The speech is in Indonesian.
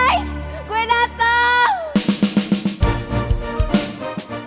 guys gue dateng